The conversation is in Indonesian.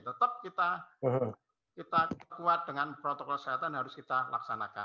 tetap kita kuat dengan protokol kesehatan yang harus kita laksanakan